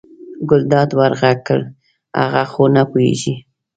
ګلداد ور غږ کړل هغه خو نه پوهېږي.